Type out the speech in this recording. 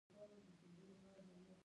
په کنډوالو او هوارو ځايونو کې ودرول شول.